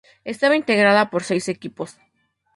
Estaba integrada por seis equipos.